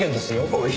おい！